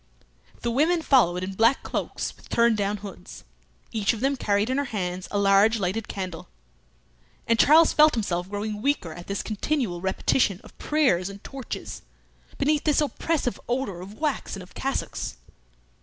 The women followed in black cloaks with turned down hoods; each of them carried in her hands a large lighted candle, and Charles felt himself growing weaker at this continual repetition of prayers and torches, beneath this oppressive odour of wax and of cassocks.